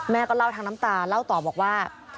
แม่ก็เล่าทั้งน้ำตาเล่าต่อบอกว่า